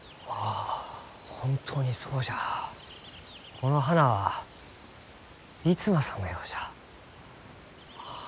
この花は逸馬さんのようじゃ。